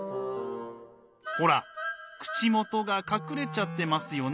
ほら口元が隠れちゃってますよね。